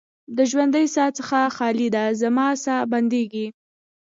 د ژوندۍ ساه څخه خالي ده، زما ساه بندیږې